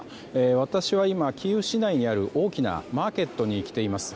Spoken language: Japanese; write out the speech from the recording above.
私は今、キーウ市内にある大きなマーケットに来ています。